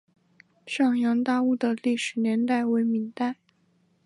上洋大屋的历史年代为明代。